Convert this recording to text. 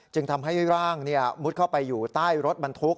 จึงทำให้ร่างมุดเข้าไปอยู่ใต้รถบรรทุก